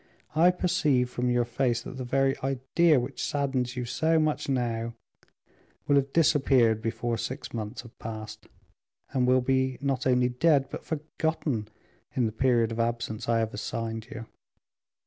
I perceive from your face that the very idea which saddens you so much now, will have disappeared before six months have passed, and will be not only dead but forgotten in the period of absence I have assigned you."